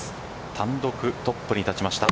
単独トップに立ちました。